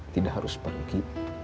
tidak harus pergi